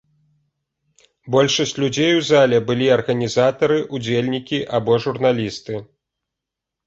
Большасць людзей у зале былі арганізатары, удзельнікі або журналісты.